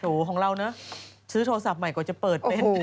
ของเรานะซื้อโทรศัพท์ใหม่กว่าจะเปิดเป็น